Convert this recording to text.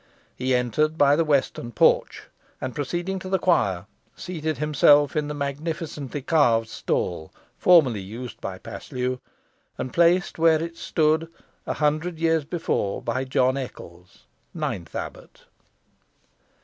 He entered by the western porch, and, proceeding to the choir, seated himself in the magnificently carved stall formerly used by Paslew, and placed where it stood, a hundred years before, by John Eccles, ninth abbot.